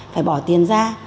phải bỏ tiền ra